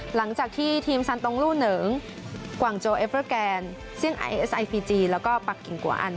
หลังจากที่ทีมสันตองลู่เหนิงกวางโจเอเปอร์แกนเซียงไอเอสไอฟีจีแล้วก็ปักกิ่งกวาอัน